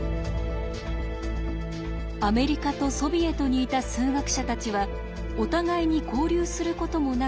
アメリカとソビエトにいた数学者たちはお互いに交流することもなく